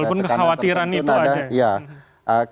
walaupun kekhawatiran itu ada